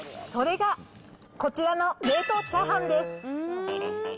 それがこちらの冷凍チャーハンです。